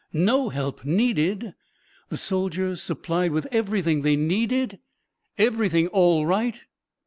No help needed? The soldiers supplied with everything they needed? Everything "all right"?